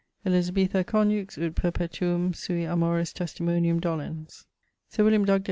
Elizabetha conjux, ut perpetuum sui amoris testimonium, dolens